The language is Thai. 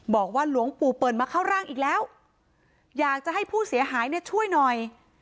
บอกว่าหลวงปู่เปิลมาเข้าร่างอีกแล้วอยากจะให้ผู้เสียหายเนี่ยช่วยหน่อย